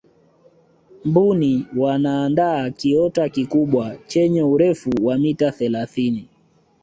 mbuni wanaandaa kiota kikubwa chenye urefu wa mita thelathini